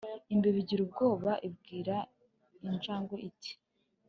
Imbeba igira ubwoba ibwira injangwe iti